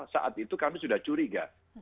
saat itu kami sudah curiga